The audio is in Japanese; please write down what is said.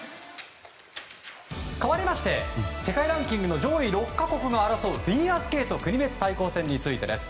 かわりまして世界ランク上位６か国が争うフィギュアスケート国別対抗戦についてです。